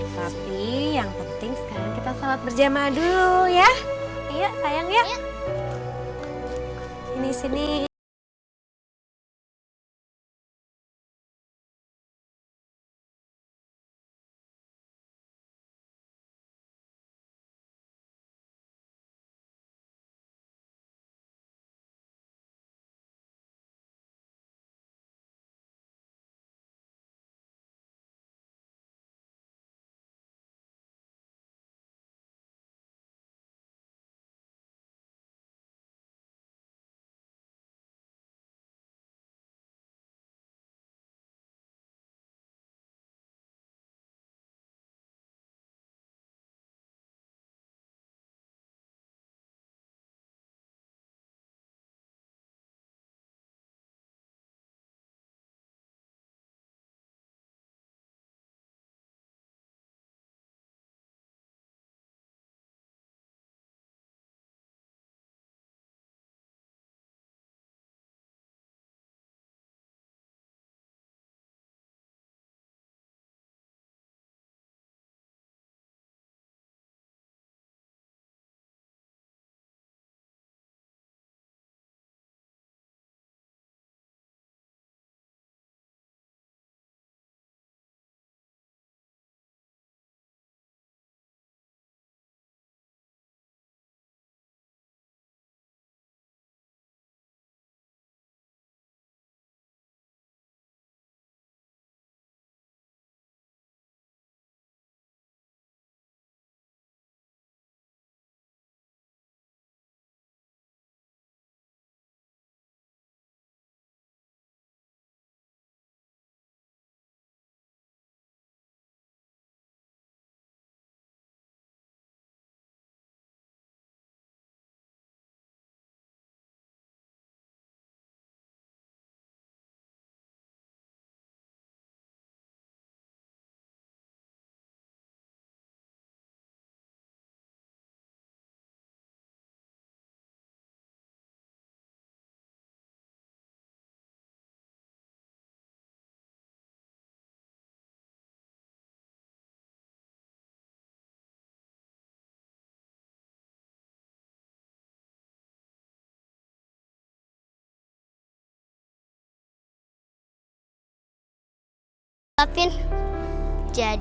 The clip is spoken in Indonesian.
tapi yang penting sekarang kita salat berjamaah dulu ya